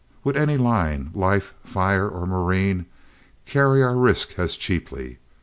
Would any line life, fire, or marine carry our risk as cheaply?